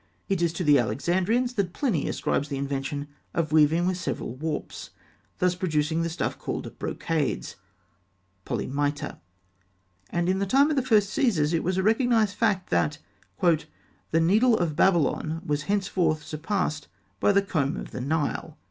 It is to the Alexandrians that Pliny ascribes the invention of weaving with several warps, thus producing the stuff called brocades (polymita); and in the time of the first Caesars, it was a recognised fact that "the needle of Babylon was henceforth surpassed by the comb of the Nile."